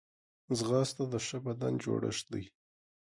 ځغاسته د ښه بدن جوړښت دی